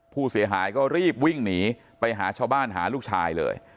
ผู้เสียหายก็รีบวิ่งหนีไปหาชาวบ้านหาลูกชายเลย